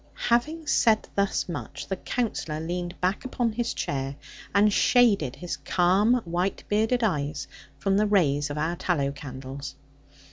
Having said thus much, the Counsellor leaned back upon his chair, and shaded his calm white bearded eyes from the rays of our tallow candles.